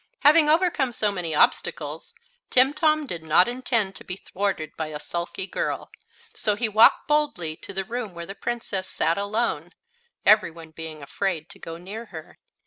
Having overcome so many obstacles, Timtom did not intend to be thwarted by a sulky girl, so he walked boldly to the room where the Princess sat alone, every one being afraid to go near her.